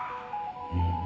うん。